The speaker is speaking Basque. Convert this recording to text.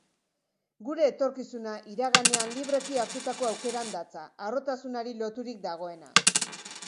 Gure etorkizuna iraganean libreki hartutako aukeran datza, harrotasunari loturik dagoena.